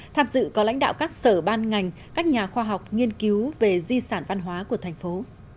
tham dự có lãnh đạo các sở ban ngành các nhà khoa học nghiên cứu về di sản văn hóa của thành phố